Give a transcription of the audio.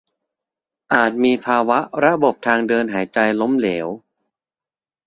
อาจมีภาวะระบบทางเดินหายใจล้มเหลว